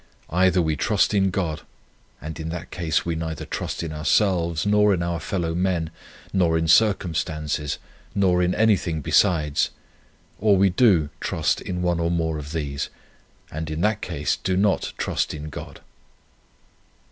Either we trust in God, and in that case we neither trust in ourselves, nor in our fellow men, nor in circumstances, nor in anything besides; or we DO trust in one or more of these, and in that case do NOT trust in God.